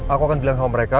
aku akan bilang sama mereka